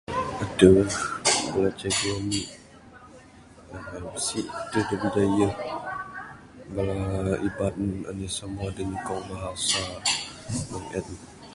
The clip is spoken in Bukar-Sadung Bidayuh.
Adeh bala cikgu ami ngeban bisi adeh da bidayuh bala iban enih semua dak nyukong bahasa mung en.